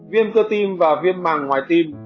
viêm cơ tim và viêm màng ngoài thịt